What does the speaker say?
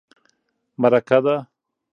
_مرکه ده.